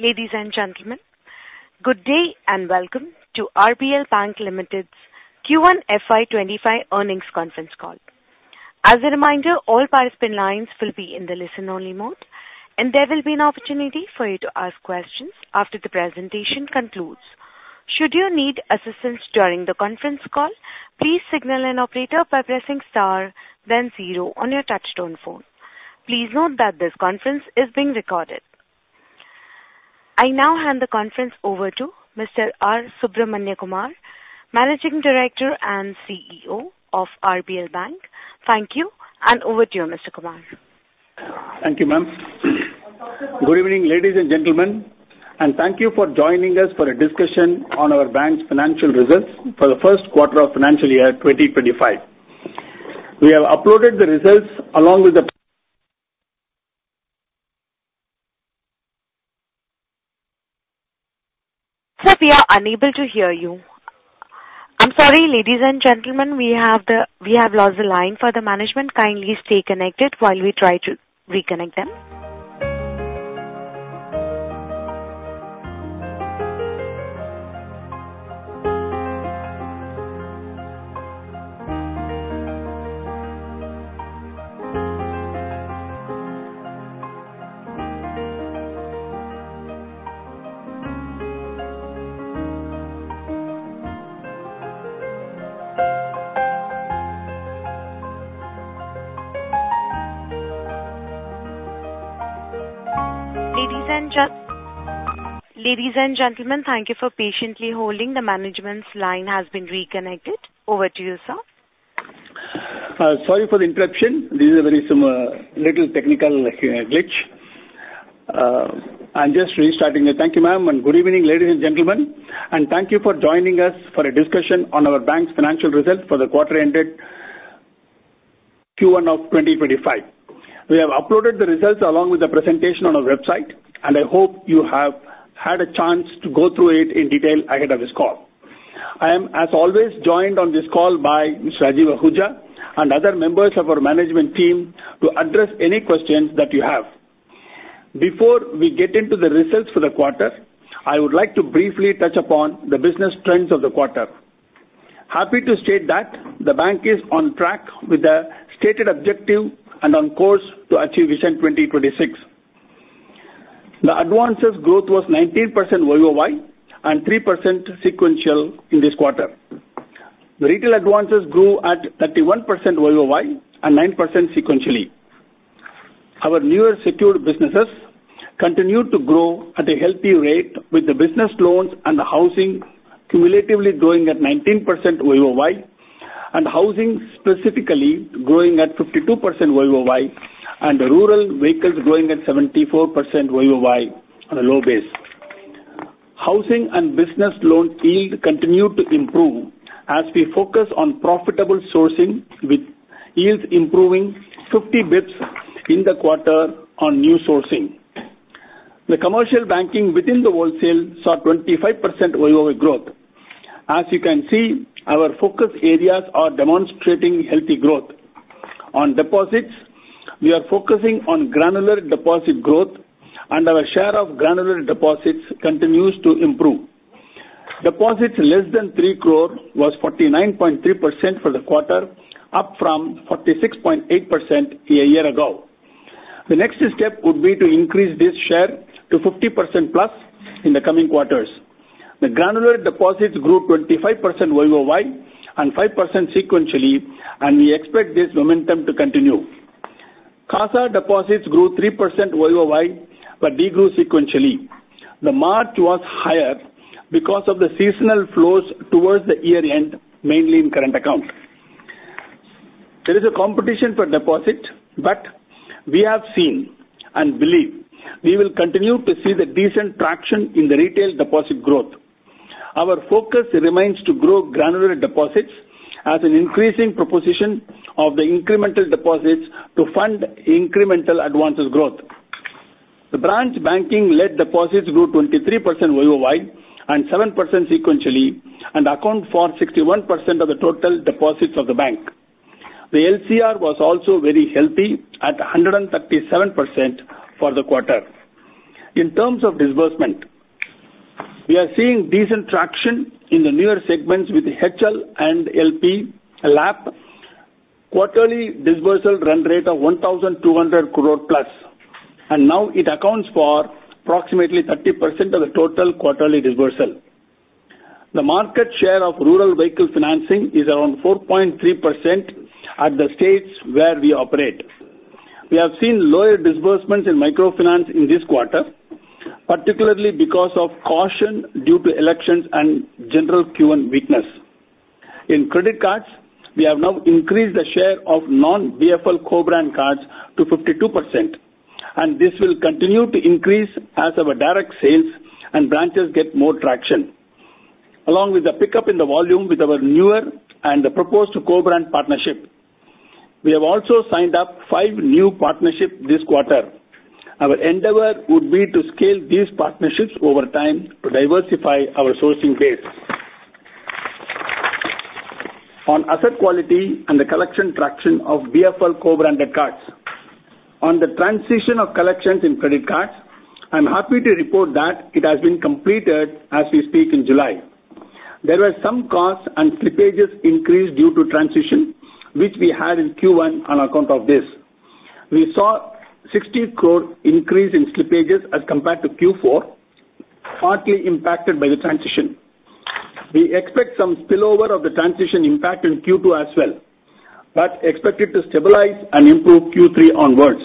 Ladies and gentlemen, good day and welcome to RBL Bank Limited's Q1 FY25 Earnings Conference Call. As a reminder, all participant lines will be in the listen-only mode, and there will be an opportunity for you to ask questions after the presentation concludes. Should you need assistance during the conference call, please signal an operator by pressing star, then zero on your touch-tone phone. Please note that this conference is being recorded. I now hand the conference over to Mr. R. Subramaniakumar, Managing Director and CEO of RBL Bank. Thank you, and over to you, Mr. Kumar. Thank you, ma'am. Good evening, ladies and gentlemen, and thank you for joining us for a discussion on our bank's financial results for the first quarter of financial year 2025. We have uploaded the results along with the. Sir, unable to hear you. I'm sorry, ladies and gentlemen, we have lost the line for the management. Kindly stay connected while we try to reconnect them. Ladies and gentlemen, thank you for patiently holding. The management's line has been reconnected. Over to you, sir. Sorry for the interruption. This is a very small, little technical glitch. I'm just restarting it. Thank you, ma'am, and good evening, ladies and gentlemen, and thank you for joining us for a discussion on our bank's financial results for the quarter-ended Q1 of 2025. We have uploaded the results along with the presentation on our website, and I hope you have had a chance to go through it in detail ahead of this call. I am, as always, joined on this call by Rajeev Ahuja and other members of our management team to address any questions that you have. Before we get into the results for the quarter, I would like to briefly touch upon the business trends of the quarter. Happy to state that the bank is on track with the stated objective and on course to achieve Vision 2026. The advances' growth was 19% YoY and 3% sequential in this quarter. The retail advances grew at 31% YoY and 9% sequentially. Our newer secured businesses continued to grow at a healthy rate with the business loans and the housing cumulatively growing at 19% YoY, and housing specifically growing at 52% YoY and rural vehicles growing at 74% YoY on a low base. Housing and business loan yield continued to improve as we focus on profitable sourcing, with yields improving 50 basis points in the quarter on new sourcing. The commercial banking within the wholesale saw 25% YoY growth. As you can see, our focus areas are demonstrating healthy growth. On deposits, we are focusing on granular deposit growth, and our share of granular deposits continues to improve. Deposits less than 3 crore was 49.3% for the quarter, up from 46.8% a year ago. The next step would be to increase this share to 50%+ in the coming quarters. The granular deposits grew 25% YoY and 5% sequentially, and we expect this momentum to continue. CASA deposits grew 3% YoY but degrew sequentially. The March was higher because of the seasonal flows towards the year-end, mainly in current account. There is a competition for deposits, but we have seen and believe we will continue to see the decent traction in the retail deposit growth. Our focus remains to grow granular deposits as an increasing proposition of the incremental deposits to fund incremental advances' growth. The branch banking-led deposits grew 23% YoY and 7% sequentially, and account for 61% of the total deposits of the bank. The LCR was also very healthy at 137% for the quarter. In terms of disbursement, we are seeing decent traction in the newer segments with HL and LAP, quarterly disbursal run rate of 1,200+ crore, and now it accounts for approximately 30% of the total quarterly disbursal. The market share of rural vehicle financing is around 4.3% at the states where we operate. We have seen lower disbursements in microfinance in this quarter, particularly because of caution due to elections and general Q1 weakness. In credit cards, we have now increased the share of non-BFL co-brand cards to 52%, and this will continue to increase as our direct sales and branches get more traction, along with the pickup in the volume with our newer and the proposed co-brand partnership. We have also signed up five new partnerships this quarter. Our endeavor would be to scale these partnerships over time to diversify our sourcing base. On asset quality and the collection traction of BFL co-branded cards. On the transition of collections in credit cards, I'm happy to report that it has been completed as we speak in July. There were some costs and slippages increased due to transition, which we had in Q1 on account of this. We saw a 60 crore increase in slippages as compared to Q4, partly impacted by the transition. We expect some spillover of the transition impact in Q2 as well, but expect it to stabilize and improve Q3 onwards.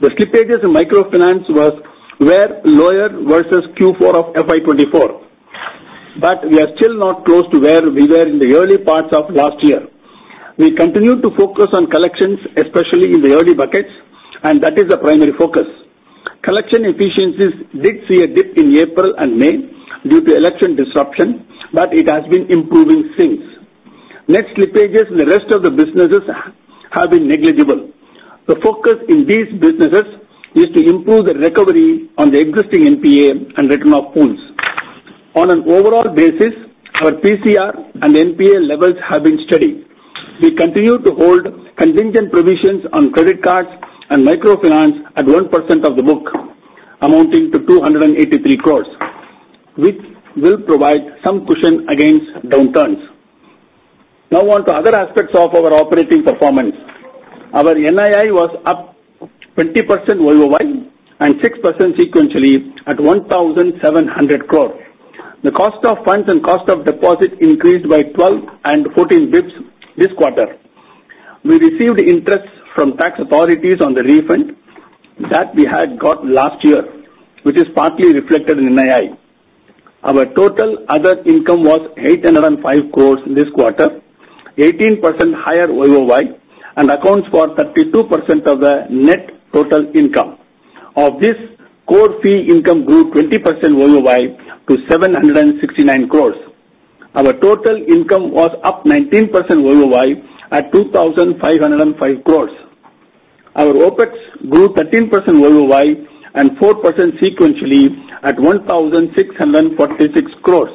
The slippages in microfinance were lower versus Q4 of FY 2024, but we are still not close to where we were in the early parts of last year. We continue to focus on collections, especially in the early buckets, and that is the primary focus. Collection efficiencies did see a dip in April and May due to election disruption, but it has been improving since. Net slippages in the rest of the businesses have been negligible. The focus in these businesses is to improve the recovery on the existing NPA and written-off funds. On an overall basis, our PCR and NPA levels have been steady. We continue to hold contingent provisions on credit cards and microfinance at 1% of the book, amounting to 283 crore, which will provide some cushion against downturns. Now on to other aspects of our operating performance. Our NII was up 20% YoY and 6% sequentially at 1,700 crore. The cost of funds and cost of deposit increased by 12 and 14 basis points this quarter. We received interest from tax authorities on the refund that we had got last year, which is partly reflected in NII. Our total other income was 805 crores this quarter, 18% higher YoY, and accounts for 32% of the net total income. Of this, core fee income grew 20% YoY to 769 crores. Our total income was up 19% YoY at 2,505 crores. Our OPEX grew 13% YoY and 4% sequentially at 1,646 crores.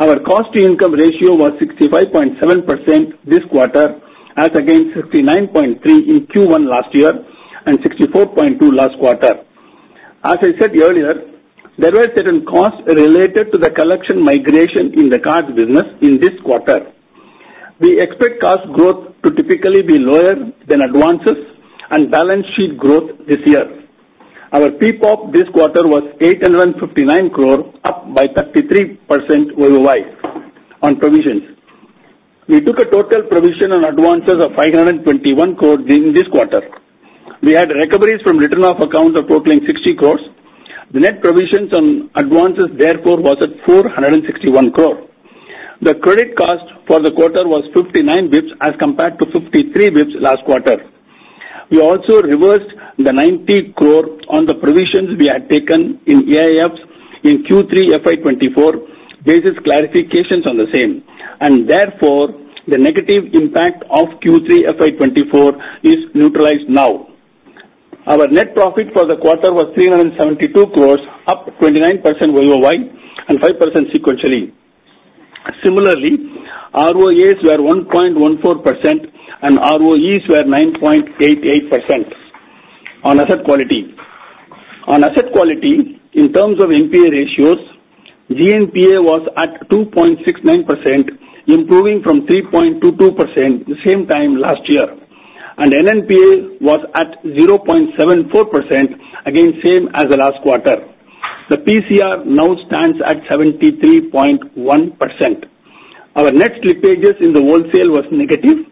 Our cost-to-income ratio was 65.7% this quarter, as against 69.3% in Q1 last year and 64.2% last quarter. As I said earlier, there were certain costs related to the collection migration in the cards business in this quarter. We expect cost growth to typically be lower than advances and balance sheet growth this year. Our PPOP this quarter was 859 crore, up by 33% YoY on provisions. We took a total provision on advances of 521 crores in this quarter. We had recoveries from written-off accounts totaling 60 crores. The net provisions on advances, therefore, was at 461 crore. The credit cost for the quarter was 59 basis points as compared to 53 basis points last quarter. We also reversed the 90 crore on the provisions we had taken in AIFs in Q3 FY 2024, basis clarifications on the same. Therefore, the negative impact of Q3 FY 2024 is neutralized now. Our net profit for the quarter was 372 crore, up 29% YoY and 5% sequentially. Similarly, ROAs were 1.14% and ROEs were 9.88%. On asset quality, in terms of NPA ratios, GNPA was at 2.69%, improving from 3.22% the same time last year. NNPA was at 0.74%, again same as the last quarter. The PCR now stands at 73.1%. Our net slippages in the wholesale was negative,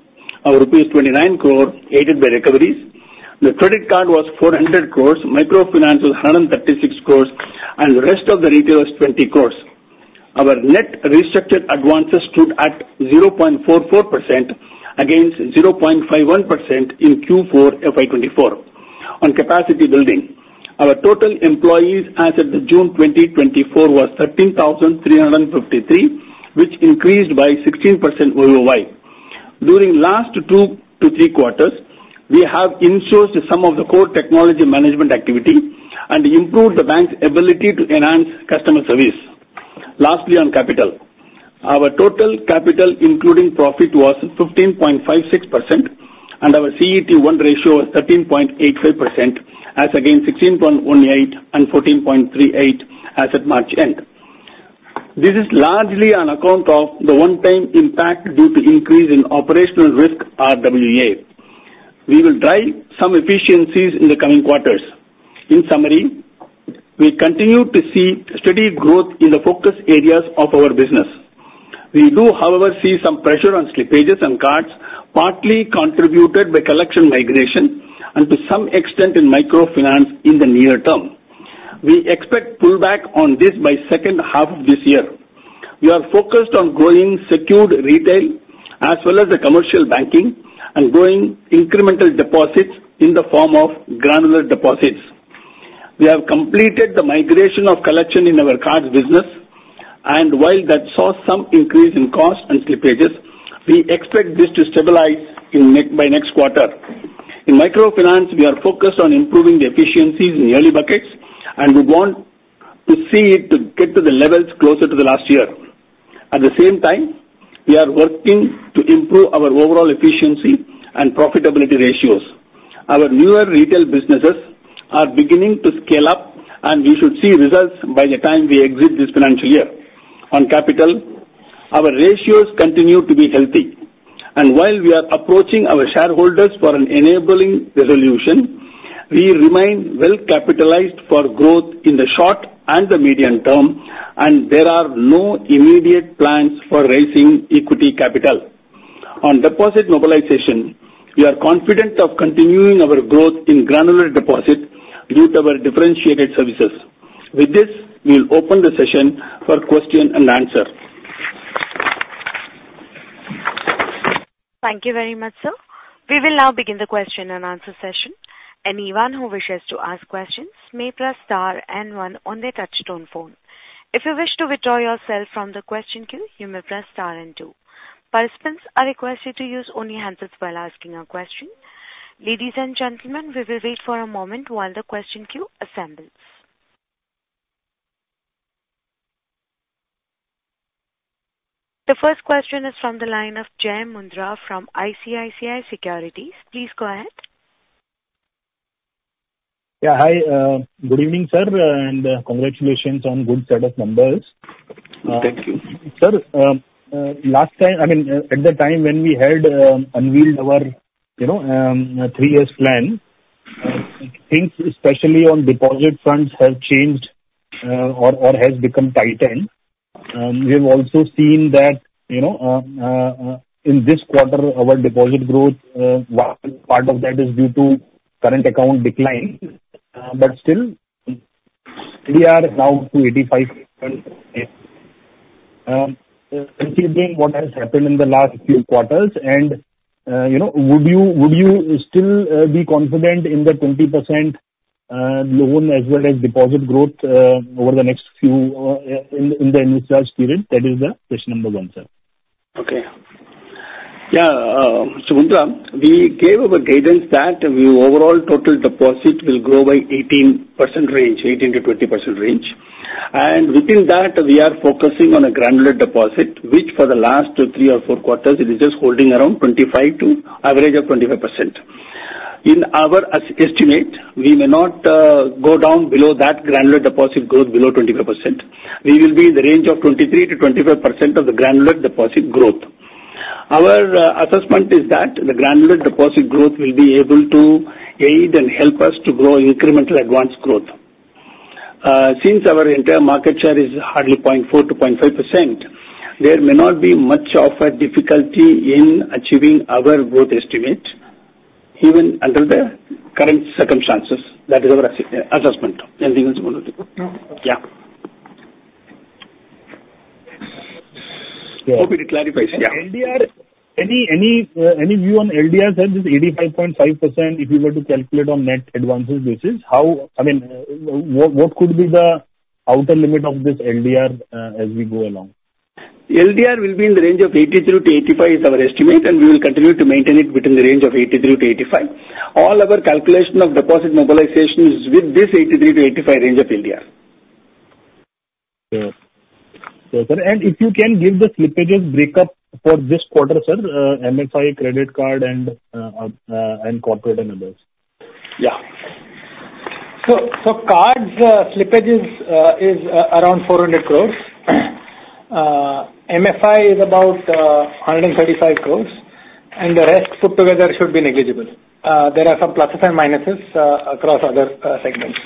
of rupees 29 crore, aided by recoveries. The credit card was 400 crore, microfinance was 136 crore, and the rest of the retail was 20 crore. Our net restructured advances stood at 0.44% against 0.51% in Q4 FY 2024. On capacity building, our total employees as of June 2024 was 13,353, which increased by 16% YoY. During last two to three quarters, we have insourced some of the core technology management activity and improved the bank's ability to enhance customer service. Lastly, on capital, our total capital, including profit, was 15.56%, and our CET1 ratio was 13.85%, as against 16.18 and 14.38 as at March end. This is largely on account of the one-time impact due to increase in operational risk, RWA. We will drive some efficiencies in the coming quarters. In summary, we continue to see steady growth in the focus areas of our business. We do, however, see some pressure on slippages on cards, partly contributed by collection migration and to some extent in microfinance in the near term. We expect pullback on this by second half of this year. We are focused on growing secured retail as well as the commercial banking and growing incremental deposits in the form of granular deposits. We have completed the migration of collection in our cards business, and while that saw some increase in cost and slippages, we expect this to stabilize by next quarter. In microfinance, we are focused on improving the efficiencies in early buckets, and we want to see it to get to the levels closer to the last year. At the same time, we are working to improve our overall efficiency and profitability ratios. Our newer retail businesses are beginning to scale up, and we should see results by the time we exit this financial year. On capital, our ratios continue to be healthy. While we are approaching our shareholders for an enabling resolution, we remain well capitalized for growth in the short and the medium term, and there are no immediate plans for raising equity capital. On deposit mobilization, we are confident of continuing our growth in granular deposit due to our differentiated services. With this, we'll open the session for question and answer. Thank you very much, sir. We will now begin the question and answer session. Anyone who wishes to ask questions may press star and one on their touchtone phone. If you wish to withdraw yourself from the question queue, you may press star and two. Participants are requested to use only handsets while asking a question. Ladies and gentlemen, we will wait for a moment while the question queue assembles. The first question is from the line of Jai Mundhra from ICICI Securities. Please go ahead. Yeah, hi. Good evening, sir, and congratulations on a good set of numbers. Thank you. Sir, last time, I mean, at the time when we had unveiled our three-year plan, things especially on deposit funds have changed or have become tighter. We have also seen that in this quarter, our deposit growth, part of that is due to current account decline. But still, we are now to 85%. Considering what has happened in the last few quarters, and would you still be confident in the 20% loan as well as deposit growth over the next few, in the initial period? That is the question number one, sir. Okay. Yeah, so Mundhra, we gave a guidance that overall total deposit will grow by 18% range, 18%-20% range. Within that, we are focusing on a granular deposit, which for the last three or four quarters, it is just holding around 25 to average of 25%. In our estimate, we may not go down below that granular deposit growth below 25%. We will be in the range of 23%-25% of the granular deposit growth. Our assessment is that the granular deposit growth will be able to aid and help us to grow incremental advance growth. Since our entire market share is hardly 0.4%-0.5%, there may not be much of a difficulty in achieving our growth estimate, even under the current circumstances. That is our assessment. Anything else, Mundhra? Yeah. Hope it clarifies. Yeah. LDR, any view on LDR? It says it's 85.5% if you were to calculate on net advances basis? I mean, what could be the outer limit of this LDR as we go along? LDR will be in the range of 83%-85%; it is our estimate, and we will continue to maintain it within the range of 83%-85%. All our calculation of deposit mobilization is with this 83%-85% range of LDR. Sure. And if you can give the slippages breakup for this quarter, sir, MFI, credit card, and corporate and others. Yeah. So card slippages is around 400 crore. MFI is about 135 crore, and the rest put together should be negligible. There are some pluses and minuses across other segments.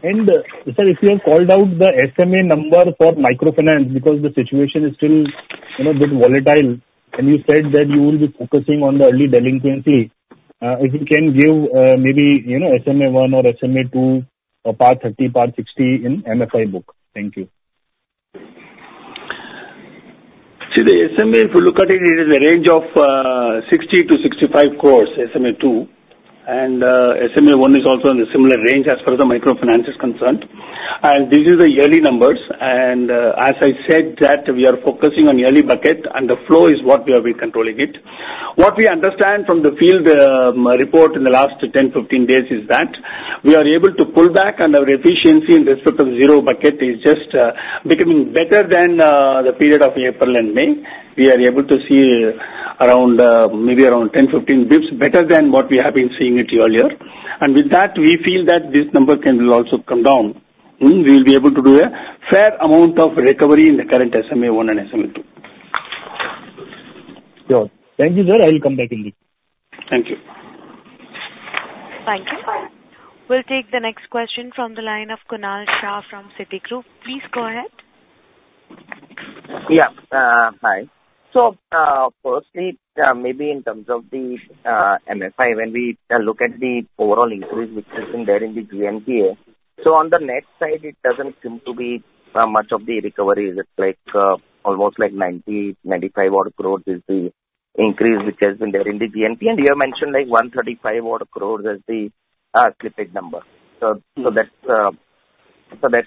Sir, if you have called out the SMA number for microfinance because the situation is still a bit volatile, and you said that you will be focusing on the early delinquency, if you can give maybe SMA 1 or SMA 2, or 30, 60 in MFI book. Thank you. See, the SMA, if you look at it, it is a range of 60 crore- 65 crore, SMA 2. SMA 1 is also in the similar range as far as the microfinance is concerned. These are the early numbers. As I said, we are focusing on early bucket, and the flow is what we are controlling. What we understand from the field report in the last 10-15 days is that we are able to pull back, and our efficiency in respect of zero bucket is just becoming better than the period of April and May. We are able to see maybe around 10-15 bps better than what we have been seeing it earlier. And with that, we feel that this number can also come down. We will be able to do a fair amount of recovery in the current SMA 1 and SMA 2. Sure. Thank you, sir. I will come back in the. Thank you. Thank you. We'll take the next question from the line of Kunal Shah from Citigroup. Please go ahead. Yeah. Hi. So firstly, maybe in terms of the MFI, when we look at the overall increase which has been there in the GNPA, so on the net side, it doesn't seem to be much of the recovery. It's almost like 90-95 odd crores is the increase which has been there in the GNPA. And you have mentioned like 135 odd crores as the slippage number. So that's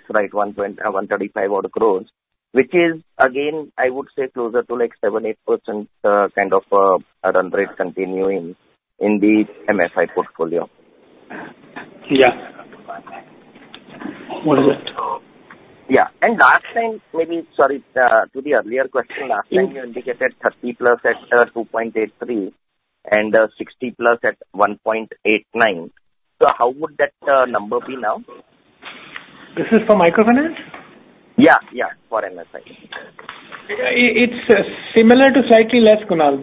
right, 135 odd crores, which is, again, I would say closer to like 7%-8% kind of run rate continuing in the MFI portfolio. Yeah. What is it? Yeah. And last time, maybe sorry, to the earlier question, last time you indicated 30+ at 2.83 and 60+ at 1.89. So how would that number be now? This is for microfinance? Yeah. Yeah. For MFI. It's similar to slightly less, Kunal.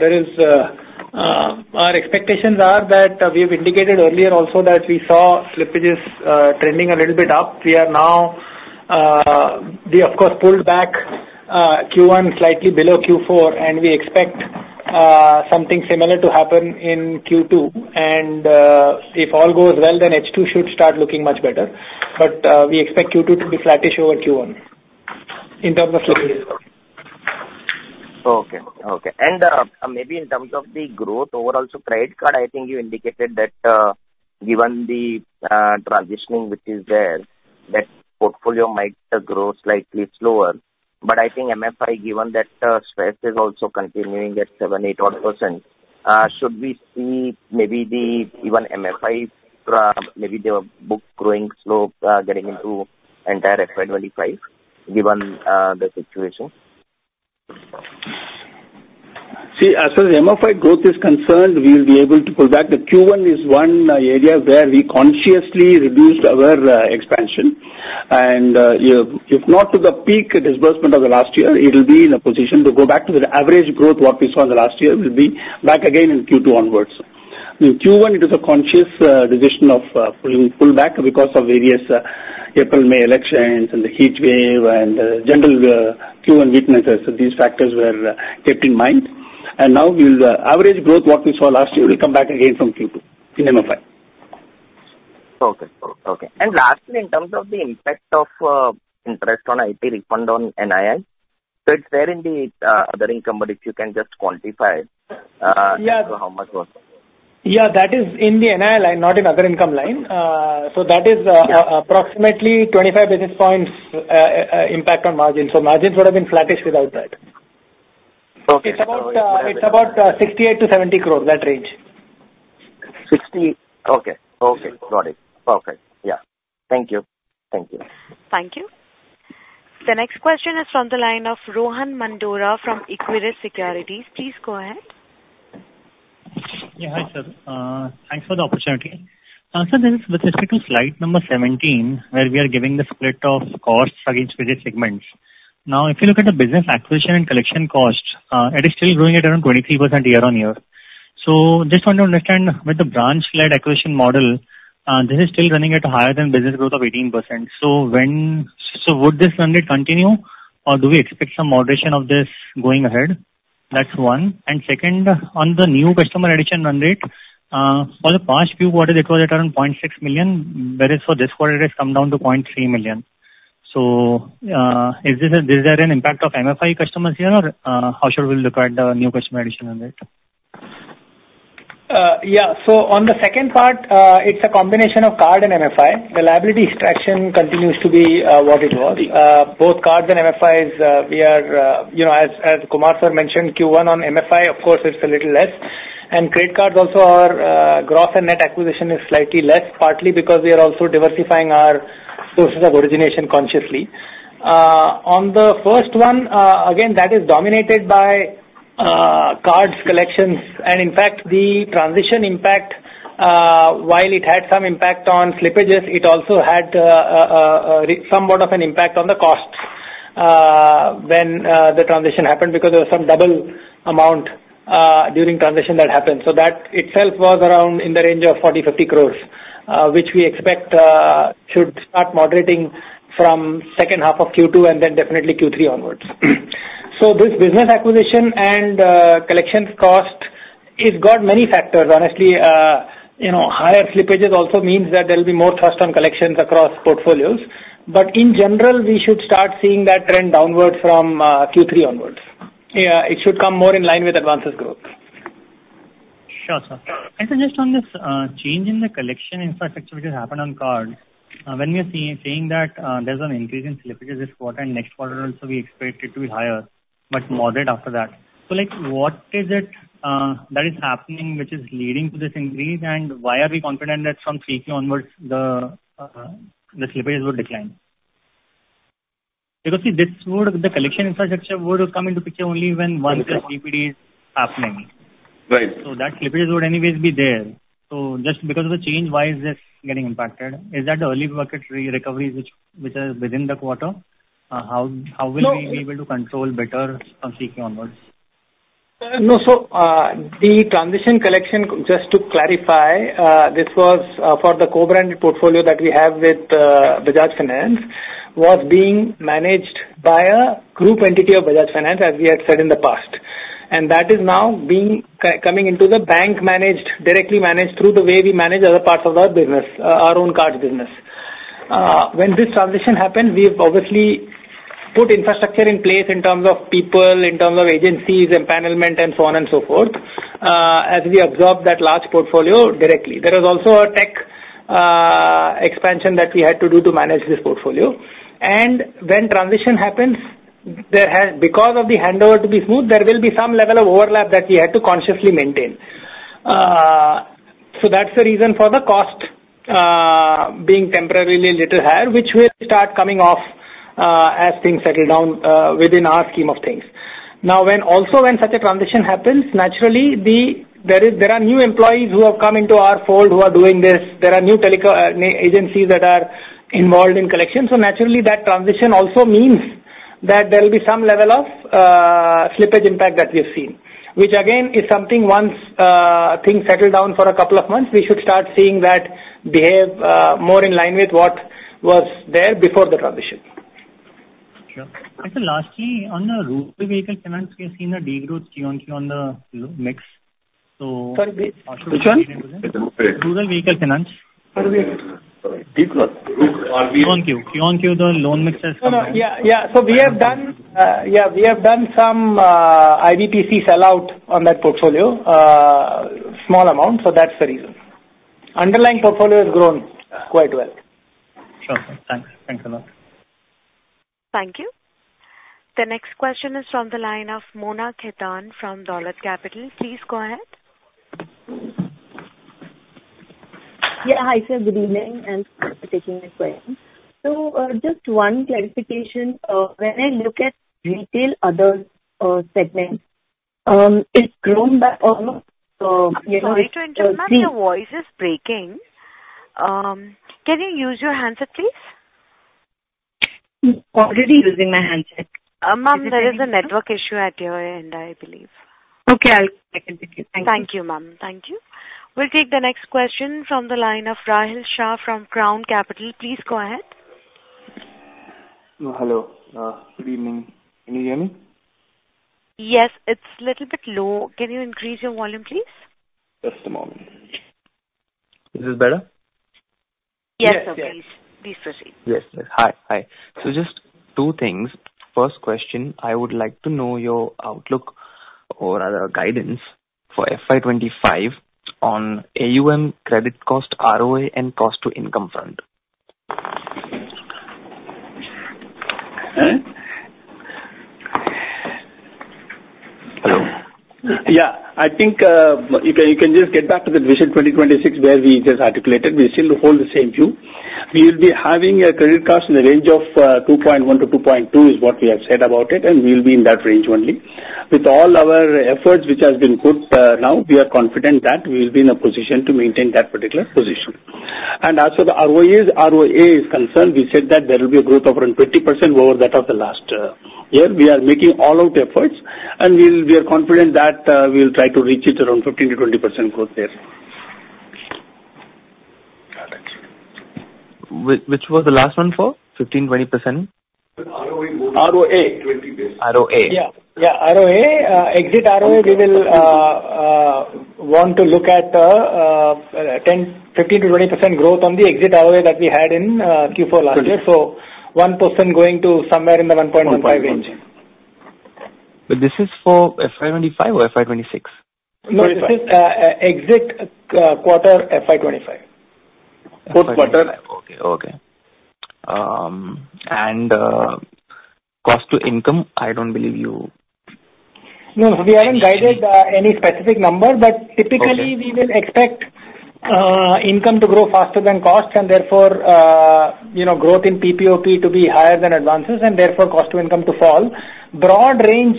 Our expectations are that we have indicated earlier also that we saw slippages trending a little bit up. We are now, of course, pulled back Q1 slightly below Q4, and we expect something similar to happen in Q2. And if all goes well, then H2 should start looking much better. But we expect Q2 to be flattish over Q1 in terms of slippages. Okay. Okay. And maybe in terms of the growth overall, so credit card, I think you indicated that given the transitioning which is there, that portfolio might grow slightly slower. But I think MFI, given that stress is also continuing at 7%-8% odd, should we see maybe the even MFI, maybe the book growing slow, getting into entire FY 2025, given the situation? See, as far as MFI growth is concerned, we will be able to pull back. The Q1 is one area where we consciously reduced our expansion. And if not to the peak disbursement of the last year, it will be in a position to go back to the average growth what we saw in the last year, will be back again in Q2 onwards. In Q1, it was a conscious decision of pulling pullback because of various April, May elections and the heat wave and general Q1 weaknesses. These factors were kept in mind. And now the average growth what we saw last year will come back again from Q2 in MFI. Okay. Okay. And lastly, in terms of the impact of interest on IT refund on NII, so it's there in the other income, but if you can just quantify it, how much was? Yeah. That is in the NII line, not in other income line. So that is approximately 25 basis points impact on margin. So margins would have been flattish without that. It's about 68 crores-70 crores, that range. 60. Okay. Okay. Got it. Perfect. Yeah. Thank you. Thank you. Thank you. The next question is from the line of Rohan Mandora from Equirus Securities. Please go ahead. Yeah. Hi, sir. Thanks for the opportunity. So this is specific to slide number 17, where we are giving the split of costs against various segments. Now, if you look at the business acquisition and collection cost, it is still growing at around 23% year-on-year. So just want to understand with the branch-led acquisition model, this is still running at a higher than business growth of 18%. So would this run rate continue, or do we expect some moderation of this going ahead? That's one. And second, on the new customer addition run rate, for the past few quarters, it was at around 0.6 million, whereas for this quarter, it has come down to 0.3 million. So is there an impact of MFI customers here, or how should we look at the new customer addition run rate? Yeah. So on the second part, it's a combination of card and MFI. The liability extraction continues to be what it was. Both cards and MFIs, we are, as Kumar sir mentioned, Q1 on MFI, of course, it's a little less. And credit cards also are gross and net acquisition is slightly less, partly because we are also diversifying our sources of origination consciously. On the first one, again, that is dominated by cards collections. In fact, the transition impact, while it had some impact on slippages, it also had somewhat of an impact on the costs when the transition happened because there was some double amount during transition that happened. So that itself was around in the range of 40 crore-50 crore, which we expect should start moderating from second half of Q2 and then definitely Q3 onwards. So this business acquisition and collection cost has got many factors. Honestly, higher slippages also means that there will be more trust on collections across portfolios. But in general, we should start seeing that trend downward from Q3 onwards. It should come more in line with advances growth. Sure, sir. I suggest on this change in the collection infrastructure which has happened on cards, when we are seeing that there's an increase in slippages this quarter and next quarter, also we expect it to be higher, but moderate after that. So what is it that is happening which is leading to this increase, and why are we confident that from Q3 onwards the slippages will decline? Because see, this would, the collection infrastructure would have come into picture only when once the DPD is happening. So that slippages would anyways be there. So just because of the change, why is this getting impacted? Is that the early bucket recoveries which are within the quarter? How will we be able to control better from Q3 onwards? No. So the transition collection, just to clarify, this was for the co-branded portfolio that we have with Bajaj Finance, was being managed by a group entity of Bajaj Finance, as we had said in the past. And that is now coming into the bank, managed directly through the way we manage other parts of our business, our own cards business. When this transition happened, we have obviously put infrastructure in place in terms of people, in terms of agencies, and placement, and so on and so forth, as we absorbed that large portfolio directly. There was also a tech expansion that we had to do to manage this portfolio. And when transition happens, because of the handover to be smooth, there will be some level of overlap that we had to consciously maintain. So that's the reason for the cost being temporarily a little higher, which will start coming off as things settle down within our scheme of things. Now, also when such a transition happens, naturally, there are new employees who have come into our fold who are doing this. There are new agencies that are involved in collection. So naturally, that transition also means that there will be some level of slippage impact that we have seen, which again is something once things settle down for a couple of months, we should start seeing that behave more in line with what was there before the transition. Sure. And so lastly, on the rural vehicle finance, we have seen a degrowth Q-on-Q on the mix. So which one? Rural vehicle finance. Sorry. Q-on-Q on the mixes. Yeah. Yeah. So we have done yeah, we have done some IBPC sell-out on that portfolio, small amount. So that's the reason. Underlying portfolio has grown quite well. Sure. Thanks. Thanks a lot. Thank you. The next question is from the line of Mona Khetan from Dolat Capital. Please go ahead. Yeah. Hi, sir. Good evening, and thanks for taking the time. So just one clarification. When I look at retail other segments, it's grown by almost. Sorry to interrupt. Sorry. My voice is breaking. Can you use your handset, please? Already using my handset. Ma'am, there is a network issue at your end, I believe. Okay. I'll connect it with you. Thank you. Thank you, ma'am. Thank you. We'll take the next question from the line of Rahil Shah from Crown Capital. Please go ahead. Hello. Good evening. Can you hear me? Yes. It's a little bit low. Can you increase your volume, please? Just a moment. Is this better? Yes, sir. Please proceed. Yes. Yes. Hi. Hi. So just two things. First question, I would like to know your outlook or guidance for FY 2025 on AUM, credit cost, ROA, and cost to income front. Hello? Yeah. I think you can just get back to the Vision 2026 where we just articulated. We still hold the same view. We will be having a credit cost in the range of 2.1-2.2 is what we have said about it, and we will be in that range only. With all our efforts which have been put now, we are confident that we will be in a position to maintain that particular position. And as for the ROAs, ROA is concerned, we said that there will be a growth of around 20% over that of the last year. We are making all-out efforts, and we are confident that we will try to reach it around 15%-20% growth there. Got it. Which was the last one for? 15%-20%? ROA. ROA. Yeah. Yeah. ROA, exit ROA, we will want to look at 15%-20% growth on the exit ROA that we had in Q4 last year. So 1% going to somewhere in the 1.15 range. But this is for FY 2025 or FY 2026? No. This is exit quarter FY 2025. Fourth quarter. Okay. Okay. And cost to income, I don't believe you. No. We haven't guided any specific number, but typically, we will expect income to grow faster than cost, and therefore growth in PPOP to be higher than advances, and therefore cost to income to fall. Broad range,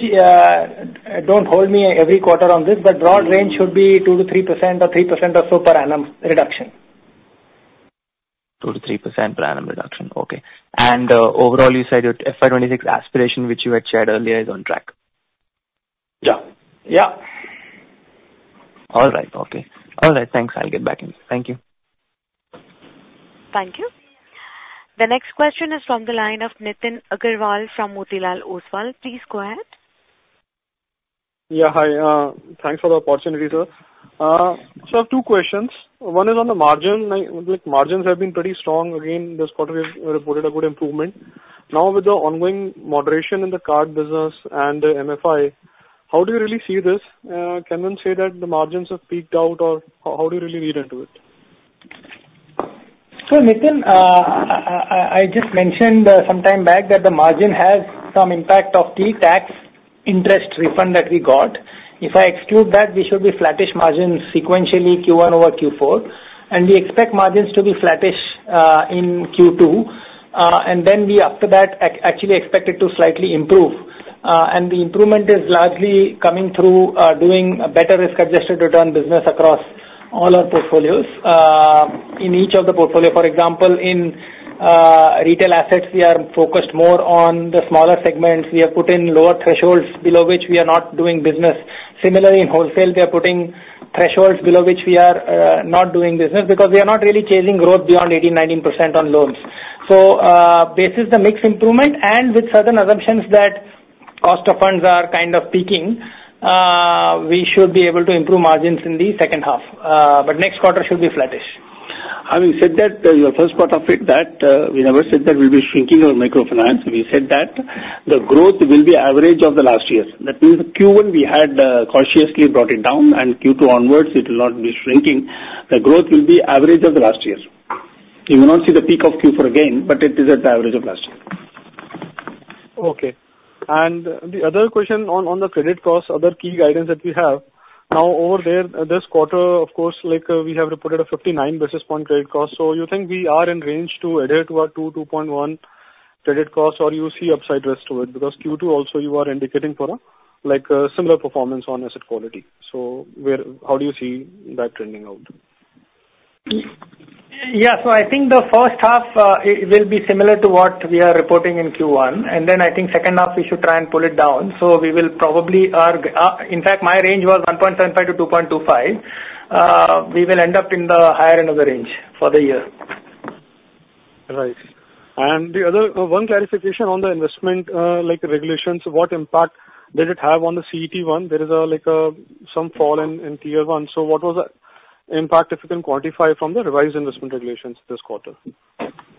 don't hold me every quarter on this, but broad range should be 2%-3% or 3% or so per annum reduction. 2%-3% per annum reduction. Okay. And overall, you said your FY 2026 aspiration, which you had shared earlier, is on track? Yeah. Yeah. All right. Okay. All right. Thanks. I'll get back in. Thank you. Thank you. The next question is from the line of Nitin Aggarwal from Motilal Oswal. Please go ahead. Yeah. Hi. Thanks for the opportunity, sir. So I have two questions. One is on the margin. Margins have been pretty strong. Again, this quarter, we have reported a good improvement. Now, with the ongoing moderation in the card business and MFI, how do you really see this? Can one say that the margins have peaked out, or how do you really read into it? So Nitin, I just mentioned some time back that the margin has some impact of the tax interest refund that we got. If I exclude that, we should be flattish margins sequentially Q1 over Q4. We expect margins to be flattish in Q2. Then we, after that, actually expect it to slightly improve. The improvement is largely coming through doing better risk-adjusted return business across all our portfolios. In each of the portfolios, for example, in retail assets, we are focused more on the smaller segments. We have put in lower thresholds below which we are not doing business. Similarly, in wholesale, we are putting thresholds below which we are not doing business because we are not really chasing growth beyond 18%-19% on loans. So this is the mixed improvement. And with certain assumptions that cost of funds are kind of peaking, we should be able to improve margins in the second half. But next quarter should be flattish. Having said that, your first part of it, that we never said that we'll be shrinking on microfinance. We said that the growth will be average of the last year. That means Q1, we had cautiously brought it down, and Q2 onwards, it will not be shrinking. The growth will be average of the last year. You will not see the peak of Q4 again, but it is at the average of last year. Okay. And the other question on the credit cost, other key guidance that we have. Now, over there, this quarter, of course, we have reported a 59 basis point credit cost. So you think we are in range to adhere to our 2-2.1 credit cost, or you see upside risk to it? Because Q2 also, you are indicating for a similar performance on asset quality. So how do you see that trending out? Yeah. So I think the first half will be similar to what we are reporting in Q1. And then I think second half, we should try and pull it down. So we will probably in fact, my range was 1.75-2.25. We will end up in the higher end of the range for the year. Right. And one clarification on the investment regulations. What impact did it have on the CET1? There is some fall in Tier 1. So what was the impact, if you can quantify, from the revised investment regulations this quarter?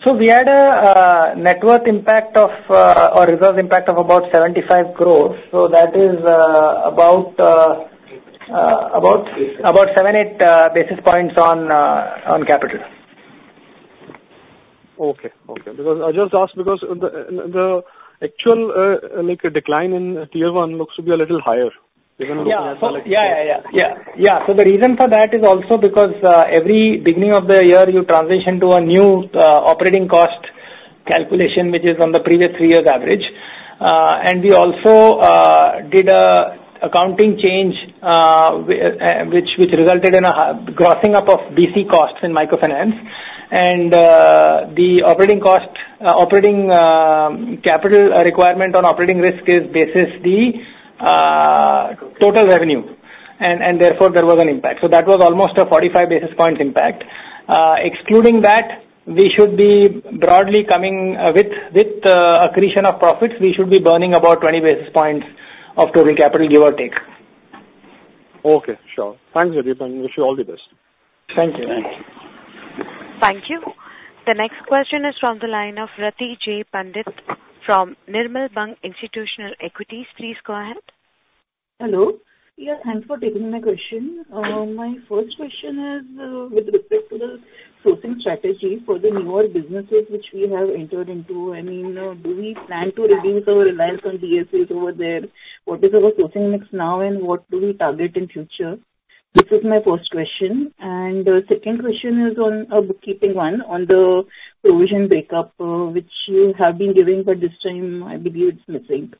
So we had a net worth impact of or reserve impact of about 75 crores. So that is about 7-8 basis points on capital. Okay. Okay. I just asked because the actual decline in Tier 1 looks to be a little higher. Even looking at select Tier. Yeah. Yeah. Yeah. Yeah. So the reason for that is also because every beginning of the year, you transition to a new operating cost calculation, which is on the previous three years' average. And we also did an accounting change which resulted in a grossing up of BC costs in microfinance. And the operating capital requirement on operating risk is basis the total revenue. And therefore, there was an impact. So that was almost a 45 basis points impact. Excluding that, we should be broadly coming with accretion of profits. We should be burning about 20 basis points of total capital, give or take. Okay. Sure. Thanks. Wish you all the best. Thank you. Thank you. Thank you. The next question is from the line of Rati J. Pandit from Nirmal Bang Institutional Equities. Please go ahead. Hello. Yeah. Thanks for taking my question. My first question is, with respect to the sourcing strategy for the newer businesses which we have entered into, I mean, do we plan to reduce our reliance on DSAs over there? What is our sourcing mix now, and what do we target in future? This is my first question. And the second question is on a bookkeeping one, on the provision breakup, which you have been giving, but this time, I believe it's missing.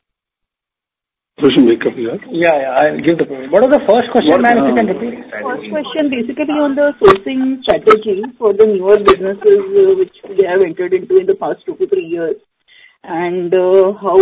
Provision breakup, you have? Yeah. Yeah. I'll give the provision. What was the first question? One more time, if you can repeat. First question, basically on the sourcing strategy for the newer businesses which we have entered into in the past two to three years, and how,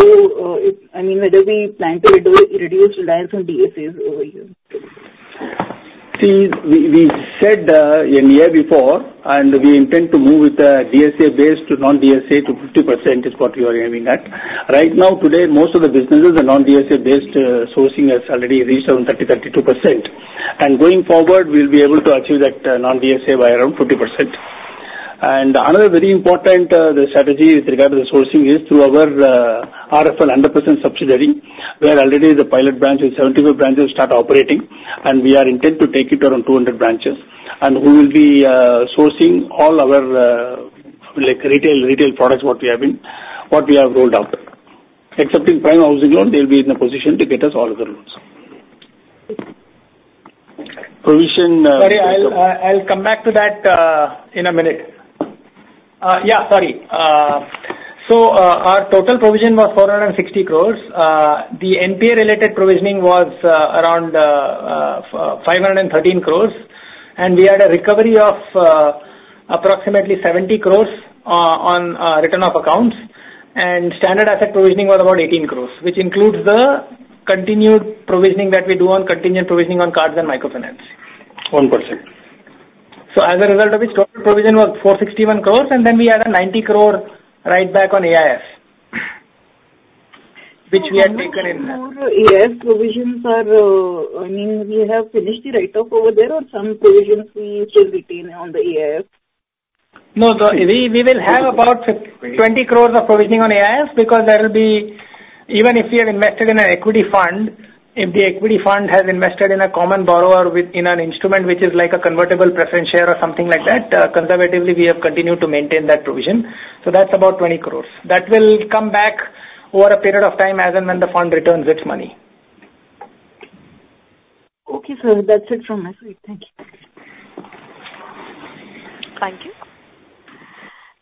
I mean, whether we plan to reduce reliance on DSAs over here. See, we said a year before, and we intend to move with the DSA-based to non-DSA to 50% is what we are aiming at. Right now, today, most of the businesses, the non-DSA-based sourcing has already reached around 30%-32%. And going forward, we'll be able to achieve that non-DSA by around 40%. And another very important strategy with regard to the sourcing is through our RFL 100% subsidiary, where already the pilot branches, 75 branches, start operating, and we are intend to take it to around 200 branches. And we will be sourcing all our retail products, what we have rolled out. Except in prime housing loan, they'll be in a position to get us all of the loans provisions. So. Sorry. I'll come back to that in a minute. Yeah. Sorry. So our total provision was 460 crores. The NPA-related provisioning was around 513 crores. And we had a recovery of approximately 70 crores on written-off accounts. And standard asset provisioning was about 18 crores, which includes the continued provisioning that we do on continued provisioning on cards and microfinance 1%. So as a result of it, total provision was 461 crores, and then we had a 90 crores write-back on AIF, which we had taken in. And for AIF provisions are, I mean, we have finished the write-off over there, or some provisions we still retain on the AIF? No. We will have about 20 crore of provisioning on AIF because that will be, even if we have invested in an equity fund, if the equity fund has invested in a common borrower in an instrument which is like a convertible preference share or something like that, conservatively, we have continued to maintain that provision. So that's about 20 crore. That will come back over a period of time as and when the fund returns its money. Okay, sir. That's it from my side. Thank you. Thank you.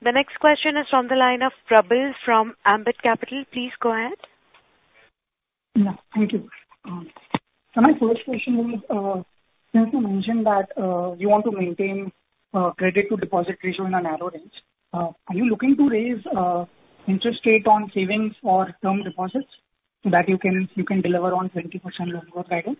The next question is from the line of Prabal from Ambit Capital. Please go ahead. Yeah. Thank you. My first question was, since you mentioned that you want to maintain credit to deposit ratio in a narrow range, are you looking to raise interest rate on savings or term deposits so that you can deliver on 20% loan growth guidance?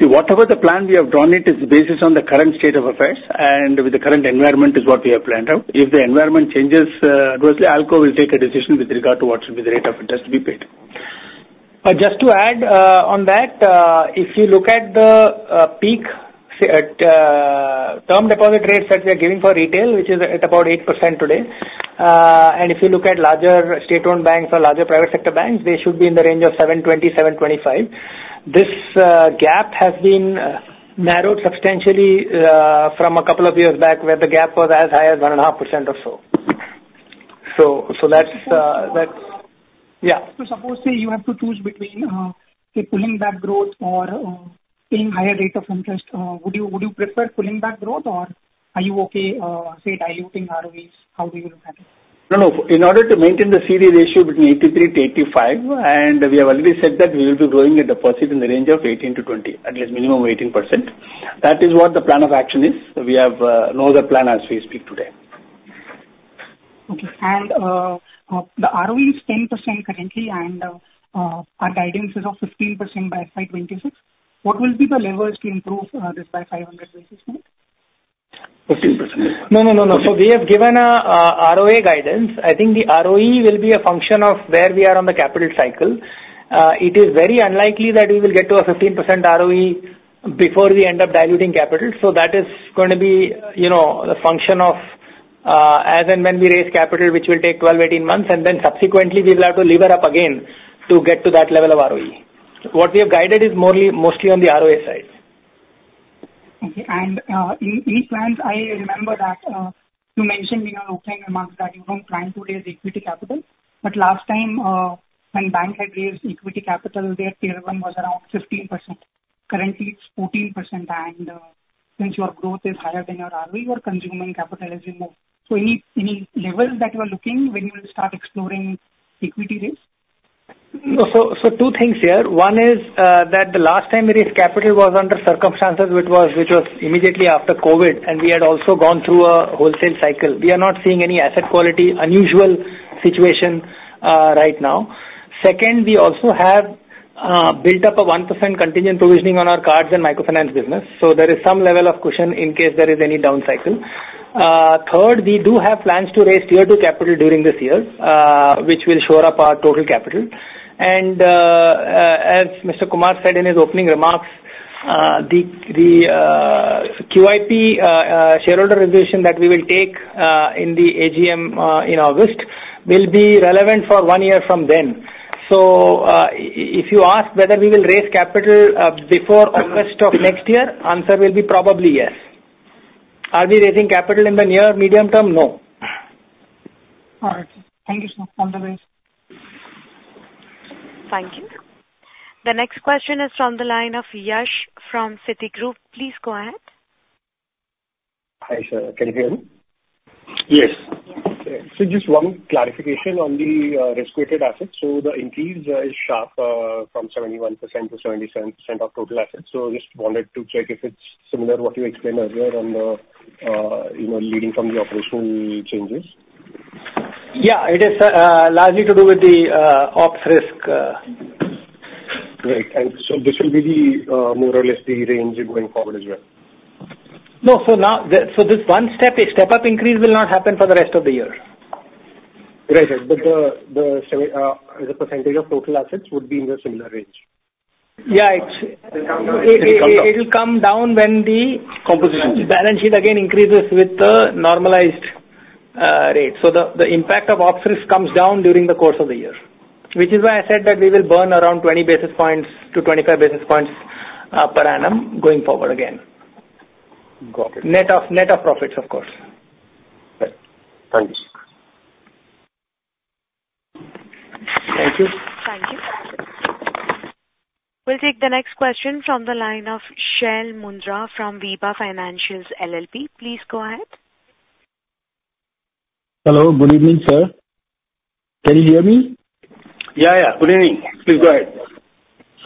See, whatever the plan we have drawn, it is based on the current state of affairs, and with the current environment is what we have planned out. If the environment changes, ALCO will take a decision with regard to what should be the rate of interest to be paid. But just to add on that, if you look at the peak term deposit rates that we are giving for retail, which is at about 8% today, and if you look at larger state-owned banks or larger private sector banks, they should be in the range of 7.20%-7.25%. This gap has been narrowed substantially from a couple of years back where the gap was as high as 1.5% or so. So that's. Yeah. So suppose say you have to choose between pulling back growth or paying higher rate of interest. Would you prefer pulling back growth, or are you okay, say, diluting ROEs? How do you look at it? No, no. In order to maintain the CD ratio between 83-85, and we have already said that we will be growing a deposit in the range of 18-20, at least minimum 18%. That is what the plan of action is. We have no other plan as we speak today. Okay. The ROE is 10% currently, and our guidance is of 15% by FY 2026. What will be the levers to improve this by 500 basis points? 15%. No, no, no, no. So we have given a ROA guidance. I think the ROE will be a function of where we are on the capital cycle. It is very unlikely that we will get to a 15% ROE before we end up diluting capital. So that is going to be a function of as and when we raise capital, which will take 12-18 months, and then subsequently, we will have to lever up again to get to that level of ROE. What we have guided is mostly on the ROA side. Okay. And in these plans, I remember that you mentioned in our opening remarks that you don't plan to raise equity capital. But last time, when banks had raised equity capital, their Tier 1 was around 15%. Currently, it's 14%. And since your growth is higher than your ROE, you are consuming capital as you move. So any levels that you are looking when you will start exploring equity raise? So two things here. One is that the last time we raised capital was under circumstances which was immediately after COVID, and we had also gone through a wholesale cycle. We are not seeing any asset quality unusual situation right now. Second, we also have built up a 1% contingent provisioning on our cards and microfinance business. So there is some level of cushion in case there is any down cycle. Third, we do have plans to raise Tier 2 capital during this year, which will shore up our total capital. And as Mr. Kumar said in his opening remarks, the QIP shareholder resolution that we will take in the AGM in August will be relevant for one year from then. So if you ask whether we will raise capital before August of next year, the answer will be probably yes. Are we raising capital in the near medium term? No. All right. Thank you, sir. On the way. Thank you. The next question is from the line of Yash from Citigroup. Please go ahead. Hi, sir. Can you hear me? Yes. Okay. So just one clarification on the risk-weighted assets. So the increase is sharp from 71%-77% of total assets. So I just wanted to check if it's similar to what you explained earlier on the leading from the operational changes. Yeah. It has largely to do with the ops risk. Right. And so this will be more or less the range going forward as well. No. So this one step-up increase will not happen for the rest of the year. Right. But the percentage of total assets would be in the similar range? Yeah. It'll come down when the composition, balance sheet again increases with the normalized rate. So the impact of ops risk comes down during the course of the year, which is why I said that we will burn around 20-25 basis points per annum going forward again. Got it. Net of profits, of course. Right. Thank you. Thank you. Thank you. We'll take the next question from the line of Shail Mundra from Veba Financials LLP. Please go ahead. Hello. Good evening, sir. Can you hear me? Yeah. Yeah. Good evening. Please go ahead.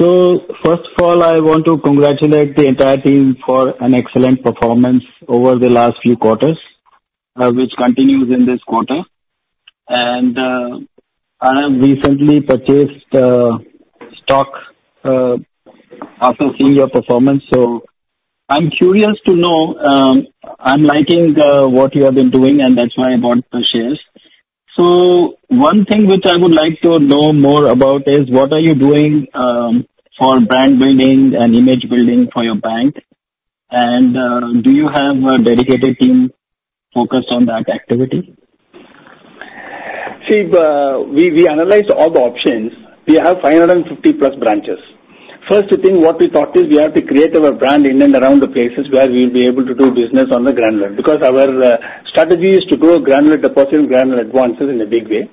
So first of all, I want to congratulate the entire team for an excellent performance over the last few quarters, which continues in this quarter. And I have recently purchased stock after seeing your performance. So I'm curious to know. I'm liking what you have been doing, and that's why I bought the shares. So one thing which I would like to know more about is, what are you doing for brand building and image building for your bank? And do you have a dedicated team focused on that activity? See, we analyze all the options. We have 550+ branches. First thing, what we thought is we have to create our brand in and around the places where we'll be able to do business on the granular because our strategy is to grow granular deposit and granular advances in a big way.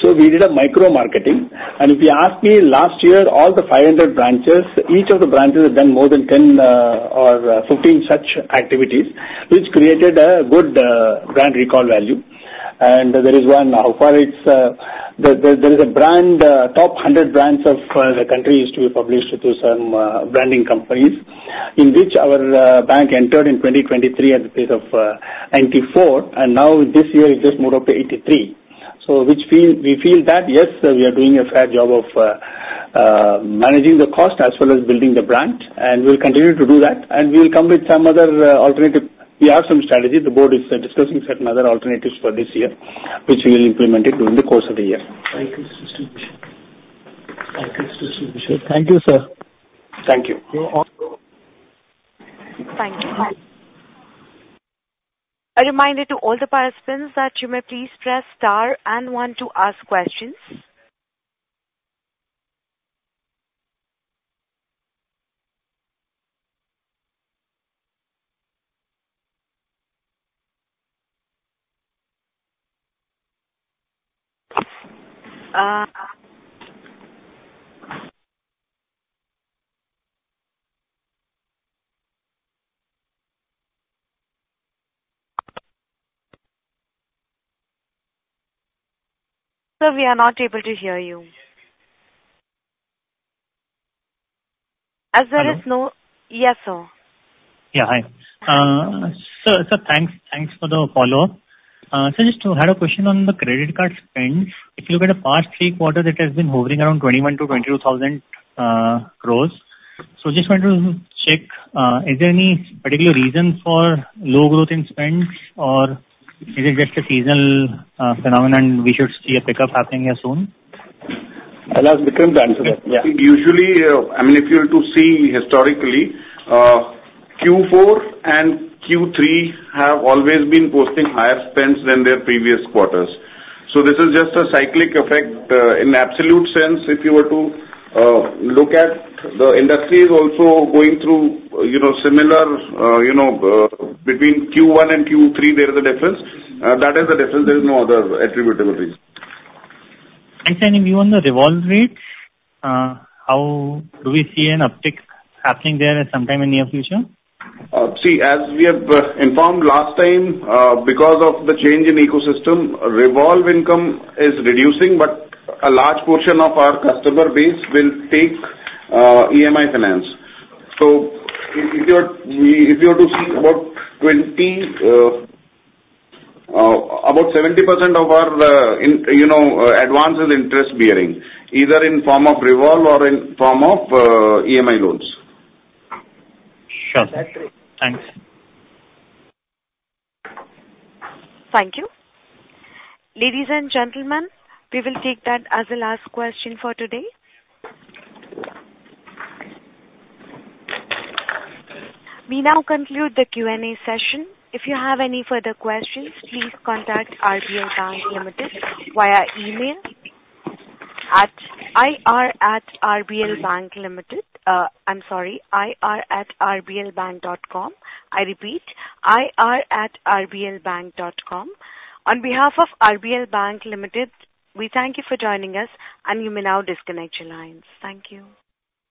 So we did a micro-marketing. And if you ask me, last year, all the 500 branches, each of the branches had done more than 10 or 15 such activities, which created a good brand recall value. And there is one now. There is a brand, top 100 brands of the country used to be published through some branding companies in which our bank entered in 2023 at the pace of 94. And now, this year, it's just moved up to 83. So we feel that, yes, we are doing a fair job of managing the cost as well as building the brand. And we'll continue to do that. And we'll come with some other alternative. We have some strategy. The board is discussing certain other alternatives for this year, which we will implement during the course of the year. Thank you, sir. Thank you, sir. Thank you. You also. Thank you. A reminder to all the participants that you may please press star and one to ask questions. Sir, we are not able to hear you. As there is no. Yes, sir. Yeah. Hi. Sir, thanks for the follow-up. Just to add a question on the credit card spend. If you look at the past three quarters, it has been hovering around 21,000 crores-22,000 crores. Just wanted to check, is there any particular reason for low growth in spend, or is it just a seasonal phenomenon we should see a pickup happening here soon? I'll ask Bikram to answer that. Usually, I mean, if you were to see historically, Q4 and Q3 have always been posting higher spends than their previous quarters. This is just a cyclical effect. In absolute sense, if you were to look at the industry is also going through similar between Q1 and Q3, there is a difference. That is the difference. There is no other attributable reason. Sir, in view on the revolve rate, how do we see an uptick happening there sometime in the near future? See, as we have informed last time, because of the change in ecosystem, revolve income is reducing, but a large portion of our customer base will take EMI finance. So if you were to see about 70% of our advance is interest-bearing, either in the form of revolve or in the form of EMI loans. Sure. Thanks. Thank you. Ladies and gentlemen, we will take that as the last question for today. We now conclude the Q&A session. If you have any further questions, please contact RBL Bank Limited via email at IR@RBL Bank Limited. I'm sorry. IR@RBLBank.com. I repeat, IR@RBLBank.com. On behalf of RBL Bank Limited, we thank you for joining us, and you may now disconnect your lines. Thank you.